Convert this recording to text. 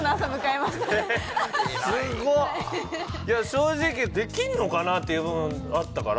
正直できるのかな？っていう部分あったから。